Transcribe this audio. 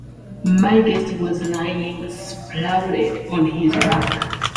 My guest was lying sprawled on his back.